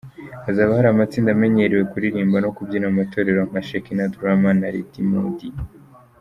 Hazaba hari amatsinda amenyerewe kuririmba no kubyina mu matorero nka Shekinah Durama na Ridimudi.